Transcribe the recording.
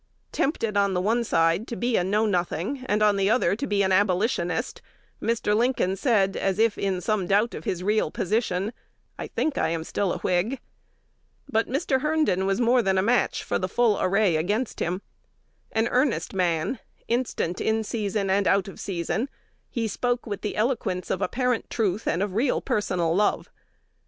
Tempted on the one side to be a Know Nothing, and on the other side to be an Abolitionist, Mr. Lincoln said, as if in some doubt of his real position, "I think I am still a Whig." But Mr. Herndon was more than a match for the full array against him. An earnest man, instant in season and out of season, he spoke with the eloquence of apparent truth and of real personal love.